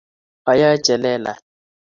ayae chelelach